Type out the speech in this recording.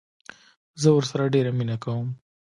زه ورسره ډيره مينه کوم